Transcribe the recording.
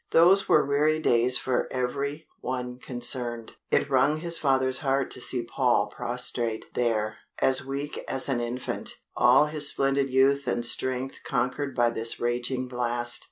Those were weary days for every one concerned. It wrung his father's heart to see Paul prostrate there, as weak as an infant. All his splendid youth and strength conquered by this raging blast.